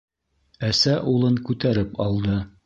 Әсә улын күтәреп алды.